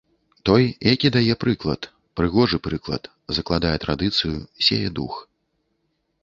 Той, які дае прыклад, прыгожы прыклад, закладае традыцыю, сее дух.